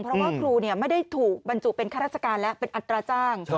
เพราะว่าครูไม่ได้ถูกบรรจุเป็นข้าราชการและเป็นอัตราจ้าง